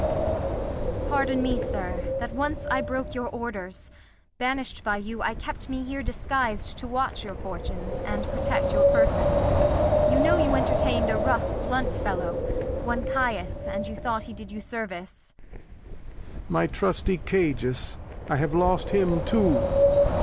Kent. Pardon me, Sir, that once I broke your Orders ; Banish'd by you, I kept me here disguis'd To watch your Fortunes, and protect your Person ; You know you entertain'd a rough blunt Fellow, One Cajus, and you thought he did you Service. Lear. My trusty Cajus, I have lost him too!